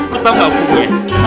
lu tau ga gue